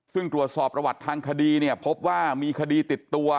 ซึ่งตรวจสอบประวัติทางคดีเนี่ยพบว่ามีคดีติดตัว